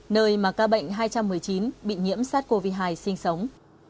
nơi mà ca bệnh hai trăm một mươi chín bị nhiễm sát covid một mươi chín sinh sống